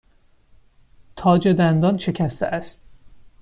تاج دندان شکسته است.